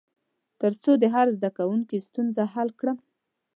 تر څو د هر زده کوونکي ستونزه حل کړم.